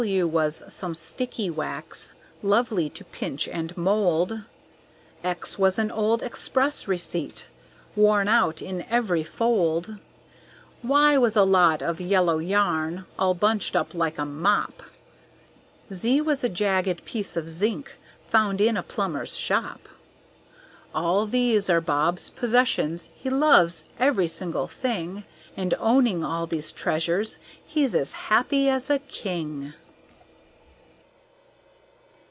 W was some sticky Wax, lovely to pinch and mould; X was an old Xpress receipt, worn out in every fold. Y was a lot of Yellow Yarn, all bunched up like a mop; Z was a jagged piece of Zinc, found in a plumber's shop. All these are Bob's possessions; he loves every single thing; And owning all these treasures he's as happy as a King!